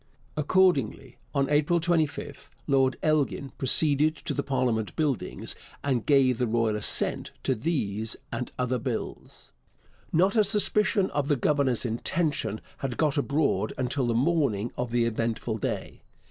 Accordingly, on April 25, Lord Elgin proceeded to the Parliament Buildings and gave the royal assent to these and other bills. Not a suspicion of the governor's intention had got abroad until the morning of the eventful day.